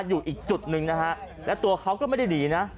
อยู่อีกจุดหนึ่งนะฮะและตัวเขาก็ไม่ได้หนีนะ